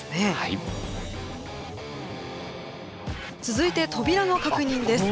続いて扉の確認です。